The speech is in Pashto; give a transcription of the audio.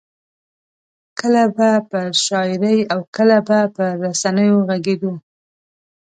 کله به پر شاعرۍ او کله پر رسنیو غږېدو.